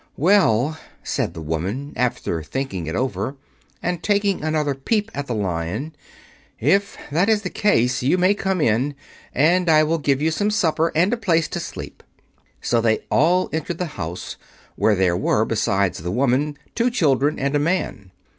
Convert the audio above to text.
"Well," said the woman, after thinking it over and taking another peep at the Lion, "if that is the case you may come in, and I will give you some supper and a place to sleep." So they all entered the house, where there were, besides the woman, two children and a man.